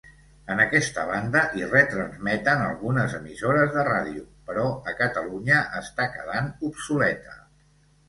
En aquesta banda hi retransmeten algunes emissores de ràdio, però a Catalunya està quedant obsoleta.